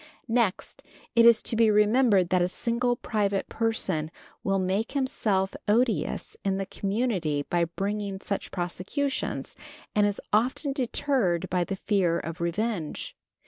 Next, it is to be remembered that a single private person will make himself odious in the community by bringing such prosecutions, and is often deterred by the fear of revenge.